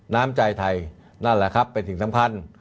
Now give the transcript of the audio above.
น้ำใจไทยนั่นแหละครับเป็นสิ่งสำคัญ